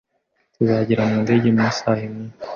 Tuzagera mu ndege mu isaha imwe.